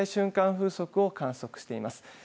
風速を観測しています。